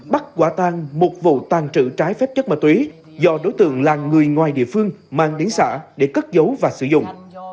bắt quả tàn một vụ tàn trữ trái phép chất mật tuyến do đối tượng là người ngoài địa phương mang đến xã để cất dấu và sử dụng